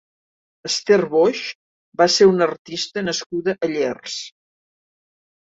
Esther Boix va ser una artista nascuda a Llers.